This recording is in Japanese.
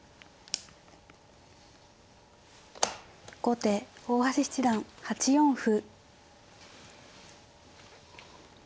後手大橋七段８四歩。